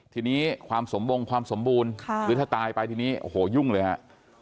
ทีนี้ความสมบงความสมบูรณ์หรือถ้าตายไปทีนี้โอ้โหยุ่งเลยฮะ